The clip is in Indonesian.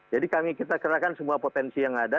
jadi kami kita kerahkan semua potensi yang ada